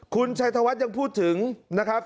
คุณชัยธวัฒน์ยังพูดถึงนะครับ